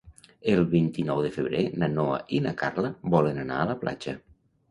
El vint-i-nou de febrer na Noa i na Carla volen anar a la platja.